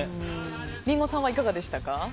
リンゴさんはいかがでしたか。